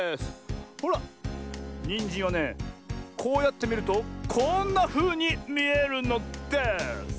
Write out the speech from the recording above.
ほらニンジンはねこうやってみるとこんなふうにみえるのです！